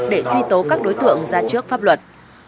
để truy tố các đối tượng ra trước pháp luật